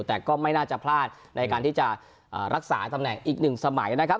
แต่ก็ไม่น่าจะพลาดในการที่จะรักษาตำแหน่งอีกหนึ่งสมัยนะครับ